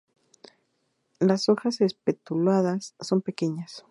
Las hojas espatuladas son pequeñas.